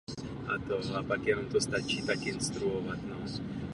V Kfar Blum je střední školství.